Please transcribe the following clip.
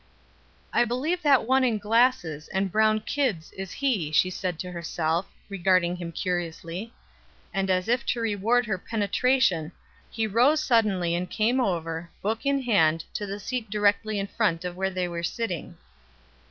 "I believe that one in glasses and brown kids is he," she said to herself, regarding him curiously; and as if to reward her penetration he rose suddenly and came over, book in hand, to the seat directly in front of where they were sitting.